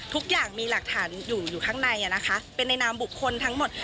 ทุกอย่างมีหลักฐานอยู่อยู่ข้างในนะคะเป็นในนามบุคคลทั้งหมด